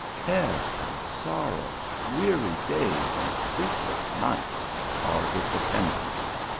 Care and sorrow, weary days and sleepless nights, are its attendants.